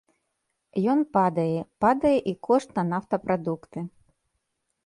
Ён падае, падае і кошт на нафтапрадукты.